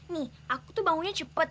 nih aku tuh bangunnya cepat